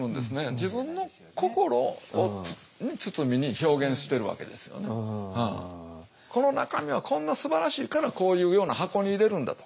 自分のこの中身はこんなすばらしいからこういうような箱に入れるんだと。